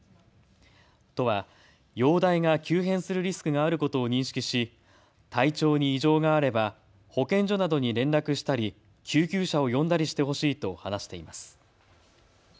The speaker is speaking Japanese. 都は容体が急変するリスクがあることを認識し体調に異常があれば保健所などに連絡したり救急車を呼んだりしてほしいと話しています。